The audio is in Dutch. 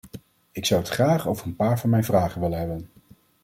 Ik zou het graag over een paar van mijn vragen willen hebben.